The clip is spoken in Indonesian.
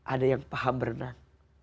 ada yang paham berenang